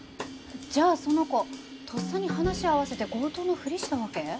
じゃあその子とっさに話合わせて強盗のふりしたわけ？